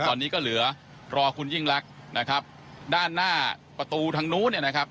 ตอนนี้ก็เหลือรอคุณยิ่งลักษณ์นะครับด้านหน้าประตูทางนู้นเนี่ยนะครับ